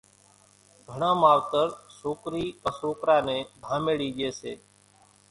گھڻان ماوَتر سوڪرِي ڪان سوڪرا نين ڌاميڙِي ڄيَ سي۔